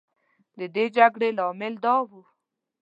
د دې جګړې لامل دا و.